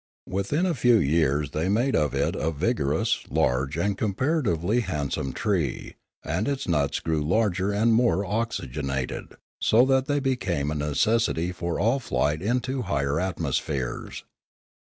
Within a few years they made of it a vigorous, large, and comparatively handsome tree, and its nuts grew larger and more oxygenated, so that they became a necessity for all flight into higher atmospheres.